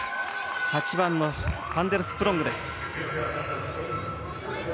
８番のファンデルスプロングです。